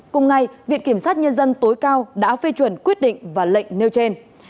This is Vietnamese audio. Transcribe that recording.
cùng ngày viện kiểm sát nhân dân tối cao đã phê chuẩn quyết định và lệnh nêu trên